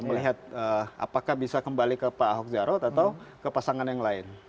melihat apakah bisa kembali ke pak ahok jarot atau ke pasangan yang lain